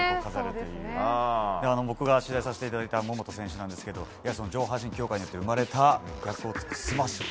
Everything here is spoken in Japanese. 僕が取材していただいた桃田選手なんですけど上半身強化によって生まれた逆を突くスマッシュ。